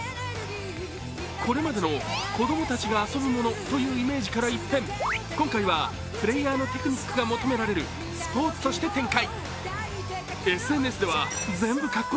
これまでの子供たちが遊ぶものというイメージから一変、今回はプレーヤーのテクニックが求められるスポーツとして展開。